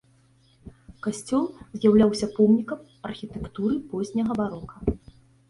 Касцёл з'яўляўся помнікам архітэктуры позняга барока.